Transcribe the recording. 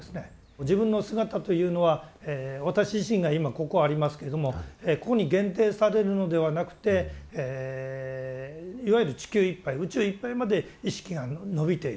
自分の姿というのは私自身が今ここありますけどもここに限定されるのではなくていわゆる地球いっぱい宇宙いっぱいまで意識がのびている。